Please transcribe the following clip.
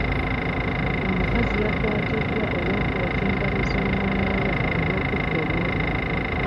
Omukazi yakwatiddwa olw'okwokya engalo z'omwana we olw'okubba emmere.